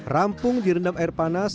rampung direndam air panas